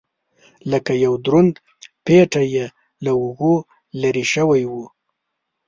لکه یو دروند پېټی یې له اوږو لرې شوی و.